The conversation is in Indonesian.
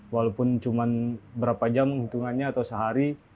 walaupun cuma berapa jam hitungannya atau sehari